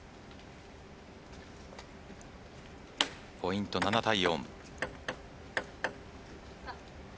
ポイント７対４。